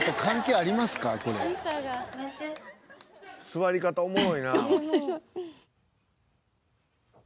座り方おもろいな。